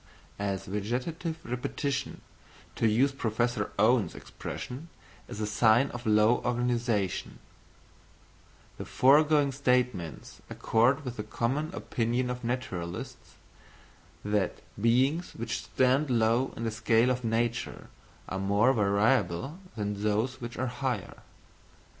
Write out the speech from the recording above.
As "vegetative repetition," to use Professor Owen's expression, is a sign of low organisation; the foregoing statements accord with the common opinion of naturalists, that beings which stand low in the scale of nature are more variable than those which are higher.